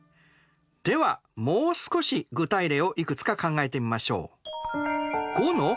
ではもう少し具体例をいくつか考えてみましょう。